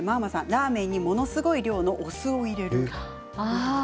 ラーメンに、ものすごい量のお酢を入れると。